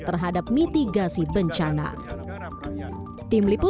kepala brindisi men million prize politik laughing up